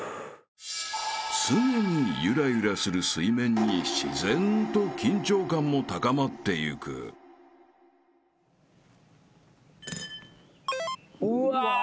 ［常にゆらゆらする水面に自然と緊張感も高まっていく］うわ！